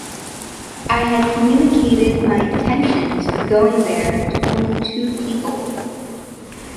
I had communicated my intentions of going there to only two people.